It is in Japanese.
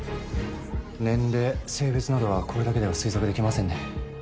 年齢性別などはこれだけでは推測できませんね。